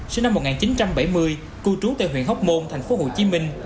sinh năm một nghìn chín trăm bảy mươi cư trú tại huyện hóc môn tp hcm